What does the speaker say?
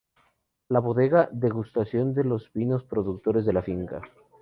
La bodega, degustación de los vinos producidos en la finca.